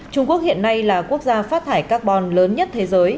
trung quốc hiện nay là quốc gia phát thải carbon lớn nhất thế giới